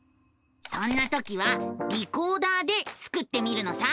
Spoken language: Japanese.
そんな時は「リコーダー」でスクってみるのさ！